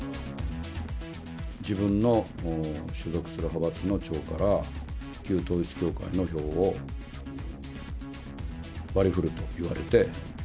自分の所属する派閥の長から、旧統一教会の票を、割りふると言われて。